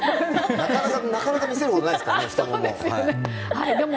なかなか見せることはないですからね太もも。